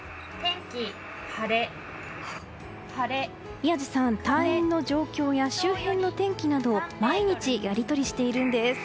宮司さん、隊員の状況や周辺の天気などを毎日やり取りしているんです。